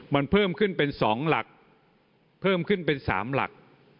มันเพิ่มขึ้นเป็น๒หลักเพิ่มขึ้นเป็น๓หลัก